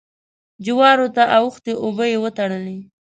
جوارو ته اوښتې اوبه يې وتړلې.